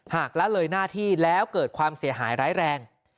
ละเลยหน้าที่แล้วเกิดความเสียหายร้ายแรง